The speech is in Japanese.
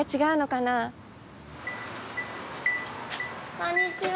こんにちは。